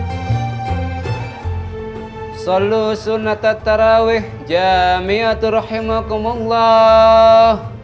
hai seluruh sunnat at tarawih jamiaturrohimakumullah